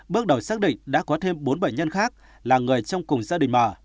bước đầu xác định đã có thêm bốn bệnh nhân khác là người trong cùng gia đình m